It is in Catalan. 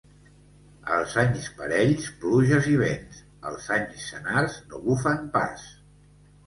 Els anys parells, pluges i vents; els anys senars no bufen pas.